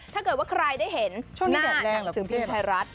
ถ้าเกิดว่าใครได้เห็นหน้าหนังสือพิมพ์ไทยรัฐ